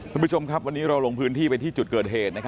คุณผู้ชมครับวันนี้เราลงพื้นที่ไปที่จุดเกิดเหตุ